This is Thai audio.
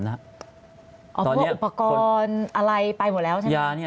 เพราะว่าอุปกรณ์อะไรไปหมดแล้วใช่ไหม